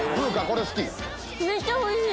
めっちゃおいしい！